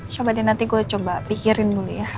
coba deh nanti gue coba pikirin dulu ya